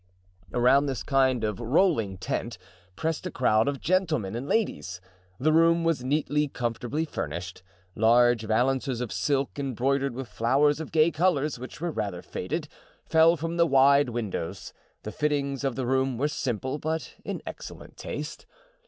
Around this kind of rolling tent pressed a crowd of gentlemen and ladies. The room was neatly, comfortably furnished. Large valances of silk, embroidered with flowers of gay colors, which were rather faded, fell from the wide windows; the fittings of the room were simple, but in excellent taste.